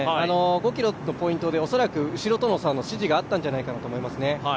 ５ｋｍのポイントで恐らく後ろとの差の指示があったんじゃないかと思いますね。